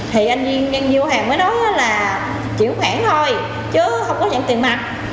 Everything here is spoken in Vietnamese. thì anh viên giao hàng mới nói là chuyển khoản thôi chứ không có giảm tiền mặt